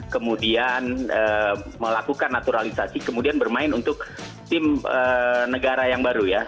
kemudian melakukan naturalisasi kemudian bermain untuk tim negara yang baru ya